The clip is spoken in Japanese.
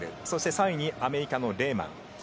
そして、３位にアメリカのレーマン。